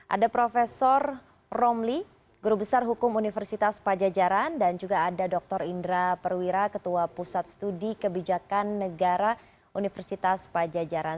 ada prof romli guru besar hukum universitas pajajaran dan juga ada dr indra perwira ketua pusat studi kebijakan negara universitas pajajaran